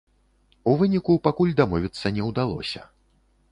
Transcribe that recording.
У выніку, пакуль дамовіцца не ўдалося.